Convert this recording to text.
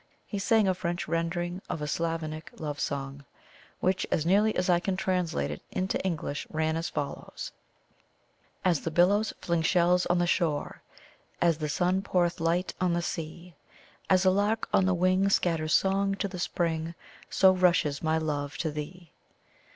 He sang a French rendering of a Slavonic love song, which, as nearly as I can translate it into English, ran as follows: "As the billows fling shells on the shore, As the sun poureth light on the sea, As a lark on the wing scatters song to the spring, So rushes my love to thee.